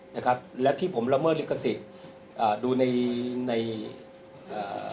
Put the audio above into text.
นะครับและที่ผมละเมิดลิขสิทธิ์อ่าดูในในอ่า